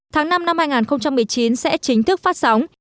tháng năm năm hai nghìn một mươi chín sẽ chính thức phát sóng